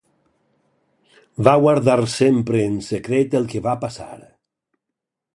Va guardar sempre en secret el que va passar.